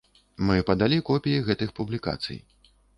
Мы падалі копіі гэтых публікацый.